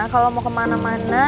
kalau mau kemana mana